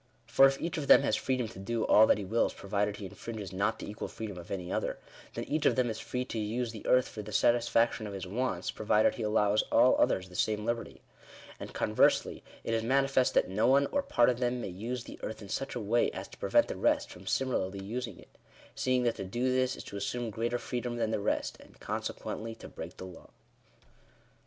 For if each of them " has freedom to do all that he wills provided he infringes not the equal freedom of any other/' then each of them is free to use the earth for the satisfaction of his wants, provided he allows all others the same liberty. And conversely, it is manifest that no one, or part of them, may use the earth in such a way as to prevent the rest from similarly using it ; seeing that to do this is to assume greater freedom than the rest, and consequently to break the law.